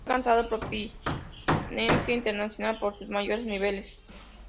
Ha alcanzado prominencia internacional por sus mayores niveles.